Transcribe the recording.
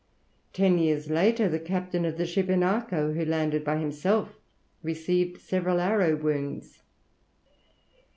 Ten years later, the captain of the ship Inacho, who landed by himself, received several arrow wounds.